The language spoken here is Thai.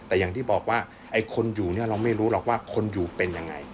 แต่อย่างที่บอกว่าไอ้คนอยู่เนี่ยเราไม่รู้หรอกว่าคนอยู่เป็นยังไง